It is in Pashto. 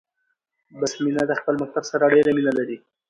بسمينه د خپل مکتب سره ډيره مينه لري 🏫